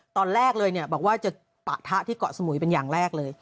ตอนแรกเลยบอกว่าจะปะทะที่เกาะสมุยเป็นอย่างแรกเลย